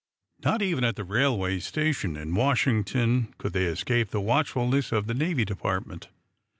Not even at the railway station in Washington could they escape the watchfulness of the Navy Department.